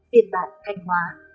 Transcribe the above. biên bản thanh hóa